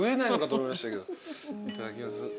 いただきます。